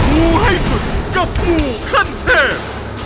ไหนมูให้สุดกับมูขั้นแทบ